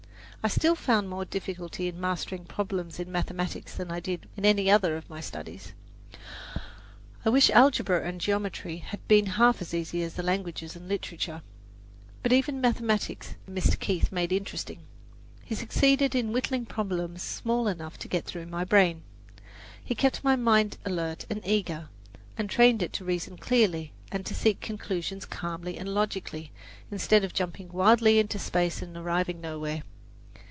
I still found more difficulty in mastering problems in mathematics than I did in any other of my studies. I wish algebra and geometry had been half as easy as the languages and literature. But even mathematics Mr. Keith made interesting; he succeeded in whittling problems small enough to get through my brain. He kept my mind alert and eager, and trained it to reason clearly, and to seek conclusions calmly and logically, instead of jumping wildly into space and arriving nowhere.